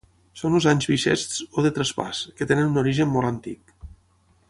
Són els anys bixests o de traspàs, que tenen un origen molt antic.